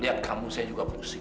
lihat kamu saya juga pusing